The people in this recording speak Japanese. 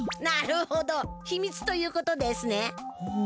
なるほど！ひみつということですね！